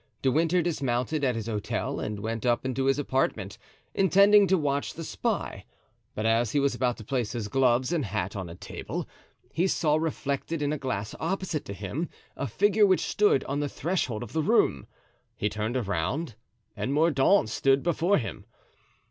De Winter dismounted at his hotel and went up into his apartment, intending to watch the spy; but as he was about to place his gloves and hat on a table, he saw reflected in a glass opposite to him a figure which stood on the threshold of the room. He turned around and Mordaunt stood before him.